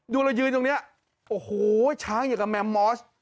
เรายืนตรงนี้โอ้โหช้างอยู่กับแมมมอส